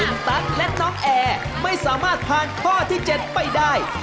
คุณตั๊กและน้องแอร์ไม่สามารถผ่านข้อที่๗ไปได้